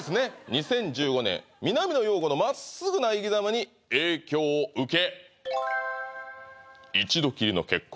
「２０１５年南野陽子の真っすぐな生き様に影響を受け」